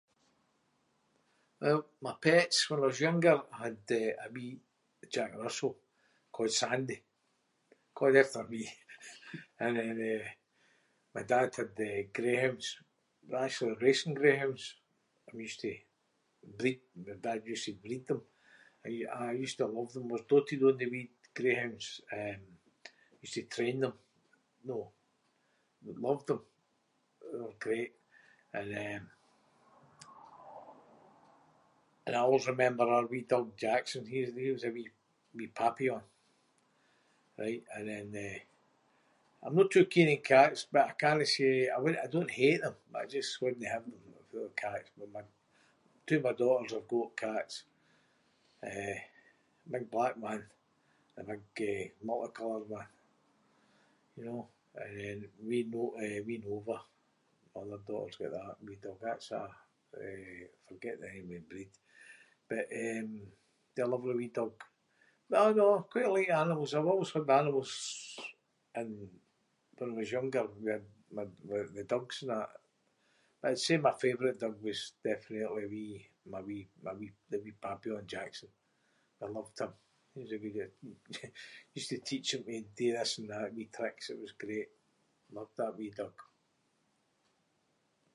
Well, my pets. When I was younger I had, eh, a wee Jack Russell ca’ed Sandy. Ca’ed after me. And then, eh, my dad had the greyhounds. They were actually racing greyhounds. And we used to breed- my dad used to breed them. I use- ah, I used to love them. I was doted on the wee greyhounds. Um, used to train them, know. Loved them. They were great and, um-. And I always remember our wee dug Jackson. He was- he was a wee- wee Papillon. Right and then, eh- I’m no too keen on cats but I cannae say- I w- I don’t hate them but I just wouldnae have them if they were cats. But my- two of my daughters have got cats. Eh, a big black one and a big, eh, multicoloured one, you know? And then wee No- eh, wee Nova. My other daughter’s got that wee dug. That’s a, eh- forget the name of breed. But um, she’s a lovely wee dug. But aw no, quite like animals. I’ve always had animals and when I was younger we had my- the dugs and that. But I’d say my favourite dug was definitely wee- my wee- my wee- the wee Papillon, Jackson. I loved him. He was a good wee- used to teach him to do this and that- wee tricks. It was great. Loved that wee dug.